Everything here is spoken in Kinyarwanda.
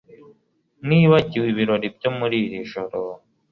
Ntiwibagirwe ibirori muri iri joro